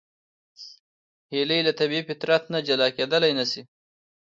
هیلۍ له طبیعي فطرت نه جلا کېدلی نشي